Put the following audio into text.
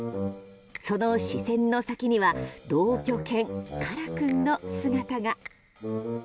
その視線の先には同居犬、から君の姿が。